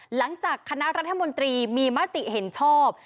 หลังจากคณะรัฐมนตรีมีมติเห็นชอบ